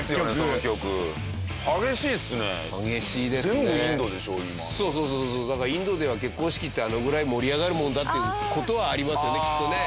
そうそうそうそうだからインドでは結婚式ってあのぐらい盛り上がるもんだっていう事はありますよねきっとね。